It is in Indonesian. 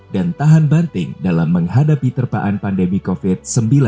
dan tahan banting dalam menghadapi terpaan pandemi covid sembilan belas